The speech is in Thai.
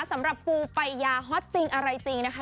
สำหรับปูปัญญาฮอตจริงอะไรจริงนะคะ